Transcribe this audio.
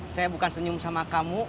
saya bukan senyum sama kamu